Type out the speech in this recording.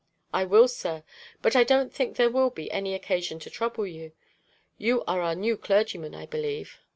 "I will, sir. But I don't think there will be any occasion to trouble you. You are our new clergyman, I believe."